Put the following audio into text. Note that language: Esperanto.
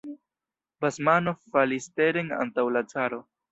Basmanov falis teren antaŭ la caro.